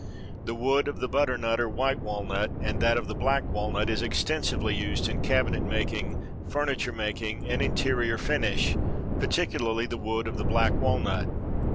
The wood of the butternut or white walnut and that of the black walnut is extensively used in cabinet making, furniture making and interior finish, particularly the wood of the black walnut.